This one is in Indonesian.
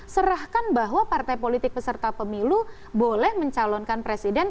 serahkan bahwa partai politik peserta pemilu boleh mencalonkan presiden